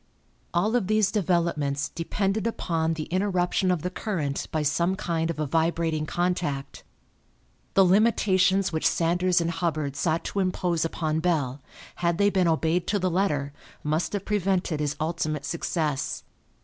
All of these developments depended upon the interruption of the current by some kind of a vibrating contact. The limitations which Sanders and Hubbard sought to impose upon Bell, had they been obeyed to the letter, must have prevented his ultimate success.